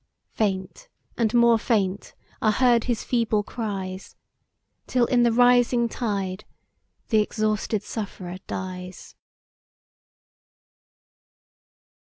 Faint and more faint are heard his feeble cries, Till in the rising tide the exhausted sufferer dies.